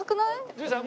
純次さん